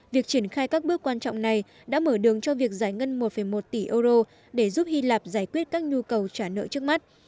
việc triển khai các bước quan trọng này đã mở đường cho việc giải ngân một một tỷ euro để giúp hy lạp giải quyết các nhu cầu trả nợ trước mắt